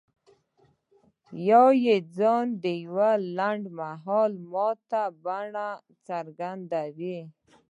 يا ځان د يوې لنډ مهالې ماتې په بڼه څرګندوي.